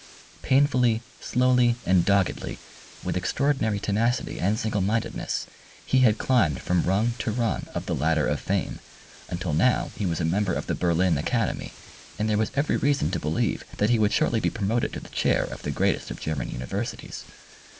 Painfully, slowly, and doggedly, with extraordinary tenacity and singlemindedness, he had climbed from rung to rung of the ladder of fame, until now he was a member of the Berlin Academy, and there was every reason to believe that he would shortly be promoted to the Chair of the greatest of German Universities.